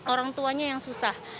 orang tuanya yang susah